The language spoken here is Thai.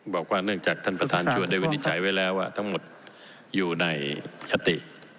บอกว่าเนื่องจากท่านประธานชวนได้วินิจฉัยไว้แล้วว่าทั้งหมดอยู่ในคติ